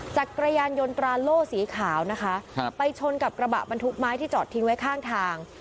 จักรยานยนตราโล่สีขาวนะคะไปชนกับกระบะบรรทุกไม้ที่จอดทิ้งไว้ข้างทาง